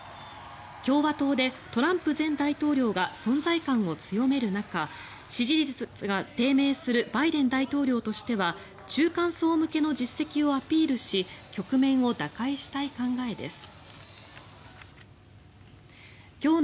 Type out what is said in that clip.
共和党でトランプ前大統領が存在感を強める中支持率が低迷するバイデン大統領としては中間層向けの実績をアピールし局面を打開したい考えです。